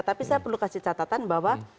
tapi saya perlu kasih catatan bahwa